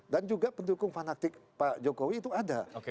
dan juga pendukung fanaktik pak jokowi itu ada